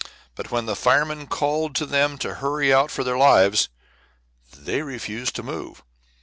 But when the firemen called to them to hurry out for their lives, they refused to move.